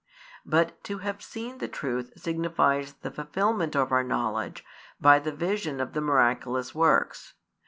But to have seen the Truth signifies the fulfilment of our knowledge by the vision of the miraculous works.